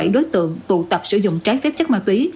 bảy đối tượng tụ tập sử dụng trái phép chất ma túy